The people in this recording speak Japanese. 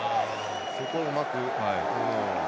そこをうまく。